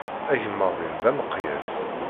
Agemmaḍ-in d ameqyas.